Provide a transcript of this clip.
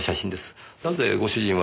なぜご主人は？